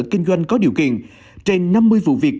kinh doanh có điều kiện trên năm mươi vụ việc